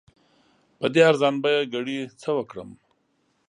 په دې ارزان بیه ګړي څه وکړم؟